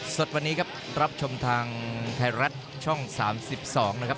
สดวันนี้ครับรับชมทางไทยรัฐช่อง๓๒นะครับ